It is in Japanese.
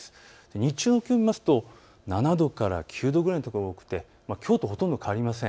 日中の気温を見ますと７度から９度くらいの所が多くてきょうとほとんど変わりません。